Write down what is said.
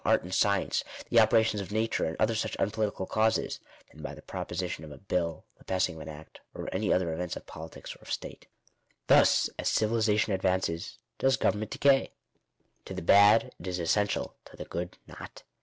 art and science, the operations of nature, and other such un political causes, than by the proposition of a bill, the passing of an act, or any other event of politics or of state." * Hms, as civilization advances, does government decay. To the bad it is essential; to the good, not.